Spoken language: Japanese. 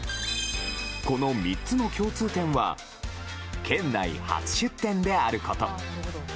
この３つの共通点は県内初出店であること。